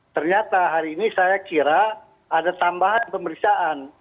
ternyata hari ini saya kira ada tambahan pemeriksaan